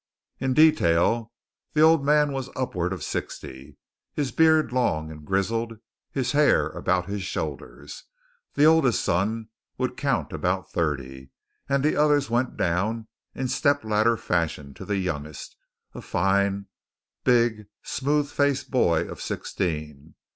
In detail, the old man was upward of sixty, his beard long and grizzled, his hair about his shoulders. The oldest son would count about thirty, and the others went down in stepladder fashion to the youngster, a fine, big, smooth faced boy of sixteen.